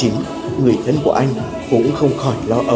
người thân của anh cũng không khỏi lo âu